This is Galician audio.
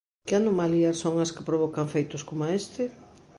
Que anomalías son as que provocan feitos coma este?